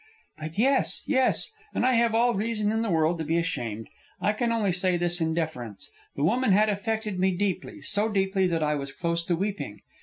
"But yes, yes. And I have all reason in the world to be ashamed. I can only say this in defence: the woman had affected me deeply so deeply that I was close to weeping.